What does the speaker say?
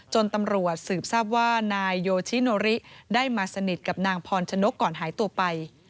ตำรวจสืบทราบว่านายโยชิโนริได้มาสนิทกับนางพรชนกก่อนหายตัวไป